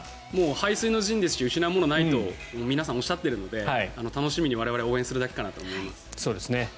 背水の陣ですし失うものはないと皆さんおっしゃっているので楽しみに我々は応援するだけかなと思います。